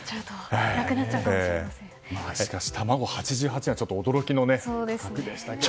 しかし、卵８８円は驚きの価格でしたけれども。